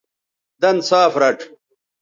دَن صاف رَڇھ